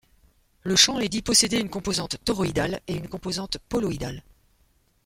Le champ est dit posséder une composante toroïdale et une composante poloïdale.